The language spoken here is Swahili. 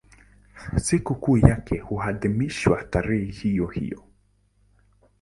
Sikukuu yake huadhimishwa tarehe hiyohiyo.